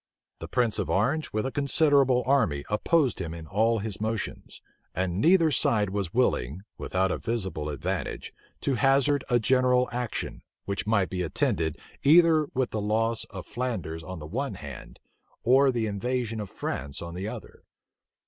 The prince of Orange with a considerable army opposed him in all his motions; and neither side was willing, without a visible advantage, to hazard a general action, which might be attended either with the entire loss of Flanders on the one hand, or the invasion of France on the other.